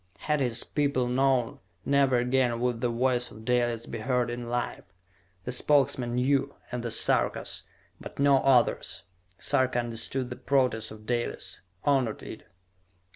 Had his people known, never again would the voice of Dalis be heard in life. The Spokesmen knew, and the Sarkas; but no others. Sarka understood the protest of Dalis; honored it.